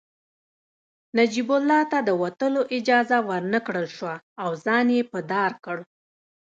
نجیب الله ته د وتلو اجازه ورنکړل شوه او ځان يې په دار کړ